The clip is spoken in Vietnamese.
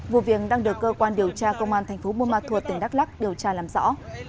vụ viện đang được cơ quan điều tra công an tp buôn ma thuột tỉnh đắk lắk điều tra làm rõ